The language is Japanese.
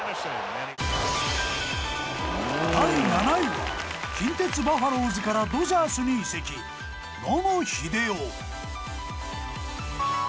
第７位は近鉄バファローズからドジャースに移籍野茂英雄。